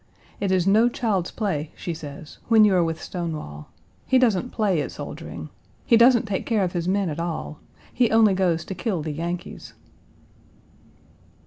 It is no child's play, she says, when you are with Stonewall. He doesn't play at soldiering. He doesn't take care of his men at all. He only goes to kill the Yankees.